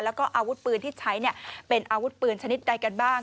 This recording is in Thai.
แล้วก็อาวุธปืนที่ใช้เป็นอาวุธปืนชนิดใดกันบ้าง